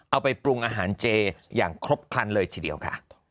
เอาไปปรุงอาหารเจอย่างครบครันเลยทีเดียวค่ะ